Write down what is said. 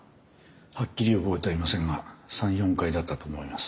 はっきり覚えていませんが３４回だったと思います。